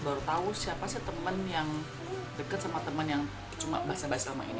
baru tahu siapa sih teman yang dekat sama teman yang cuma bahasa bahasa sama ini